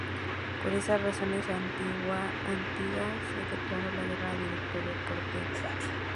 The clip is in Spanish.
Por esas razones Artigas declaró la guerra al Directorio porteño.